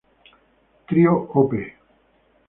Trío Op.